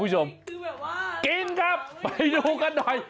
กินจริงกับไปดูกันหน่อย